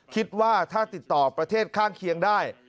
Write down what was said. คิดว่าถ้าติดต่อประเทศข้างเคียงได้